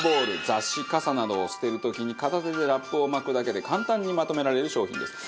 雑誌傘などを捨てる時に片手でラップを巻くだけで簡単にまとめられる商品です。